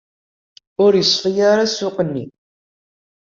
Ur yeṣfi ara ssuq-nni.